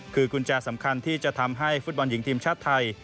คือกุญแจสำคัญที่จะทำให้ฟุตบอลหญิงทีมชาติไทย